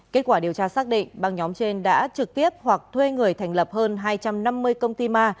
kết quả điều tra xác định băng nhóm trên đã trực tiếp hoặc thuê người thành lập hơn hai trăm năm mươi công ty ma